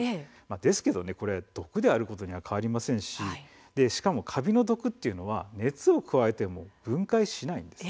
ですけれども毒であることには変わりありませんししかも、カビの毒は熱を加えても分解しないんです。